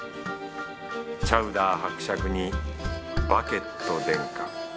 チャウダー伯爵にバケット殿下。